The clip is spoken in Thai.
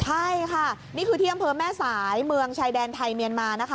ใช่ค่ะนี่คือที่อำเภอแม่สายเมืองชายแดนไทยเมียนมานะคะ